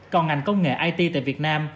còn ngành công nghệ it tại việt nam